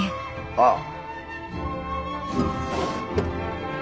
ああ。